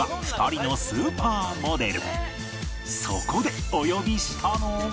そこでお呼びしたのが